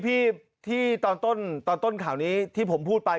พี่ที่ตอนต้นข่าวนี้ที่ผมพูดไป